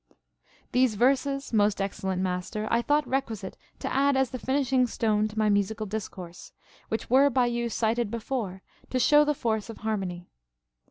These verses, most excellent master, I thought requisite to add as the finishing stone to my musical discourse, which were by you cited before * to show the force of harmony.